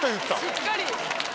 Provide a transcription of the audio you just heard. しっかり。